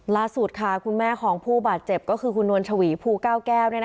ล่าสุดค่ะคุณแม่ของผู้บาดเจ็บก็คือคุณนวลชวีภูเก้าแก้ว